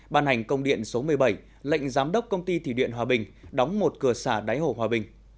ban hành công điện số một mươi bảy lệnh giám đốc công ty thủy điện hòa bình đóng một cửa xả đáy hồ hòa bình